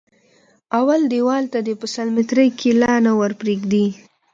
اول دېوال ته دې په سل ميتري کې لا نه ور پرېږدي.